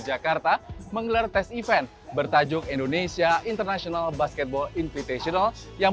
jakarta menggelar tes event bertajuk indonesia international basketball invitational yang